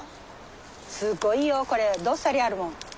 すごいよこれどっさりあるもん。